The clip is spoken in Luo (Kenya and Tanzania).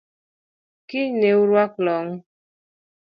Kiny ne aruak long’